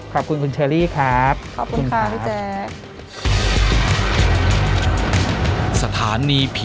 ขอบคุณคุณเชลลี่ครับ